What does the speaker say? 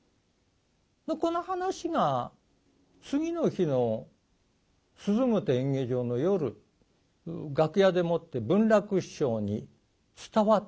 この話が次の日の鈴本演芸場の夜楽屋でもって文楽師匠に伝わってたんですね。